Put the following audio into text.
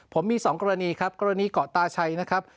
ผมมี๒กรณีครับกรณีเกาะตาชัยนะครับ